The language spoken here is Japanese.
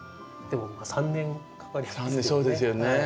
でも３年かかりますけどね。